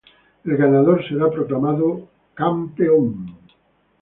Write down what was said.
El ganador será proclamado como Campeón.